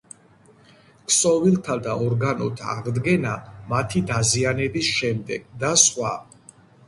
ქსოვილთა და ორგანოთა აღდგენა მათი დაზიანების შემდეგ და სხვა.